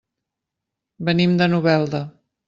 Venim de Novelda.